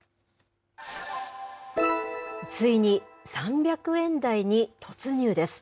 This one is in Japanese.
ついに、３００円台に突入です。